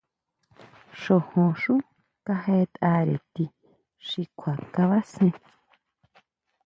Xojonxú kajeʼetʼare ti xi kjua kabasjé.